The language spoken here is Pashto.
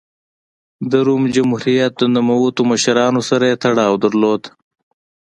د روم جمهوریت د نوموتو مشرانو سره یې تړاو درلود